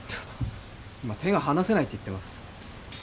今手が離せないと言ってます。